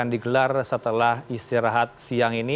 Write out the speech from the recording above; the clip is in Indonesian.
ini akan digelar setelah istirahat siang ini